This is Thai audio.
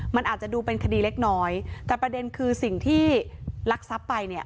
มันอาจจะดูเป็นคดีเล็กน้อยแต่ประเด็นคือสิ่งที่ลักทรัพย์ไปเนี่ย